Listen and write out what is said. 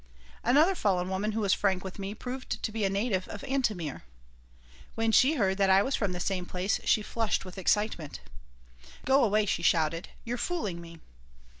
Another fallen woman who was frank with me proved to be a native of Antomir. When she heard that I was from the same place she flushed with excitement "Go away!" she shouted. "You're fooling me."